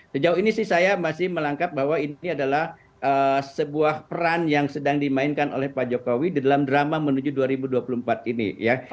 sejauh ini sih saya masih melangkap bahwa ini adalah sebuah peran yang sedang dimainkan oleh pak jokowi di dalam drama menuju dua ribu dua puluh empat ini ya